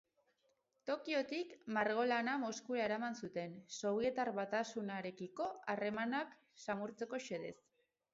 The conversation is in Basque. Tokiotik, margolana Moskura eraman zuten, Sobietar Batasunarekiko harremanak samurtzeko xedez.